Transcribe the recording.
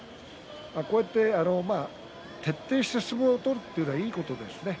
こうして徹底した相撲を取るというのはいいことですね。